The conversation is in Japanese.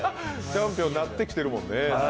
チャンピオンになって来ているもんね。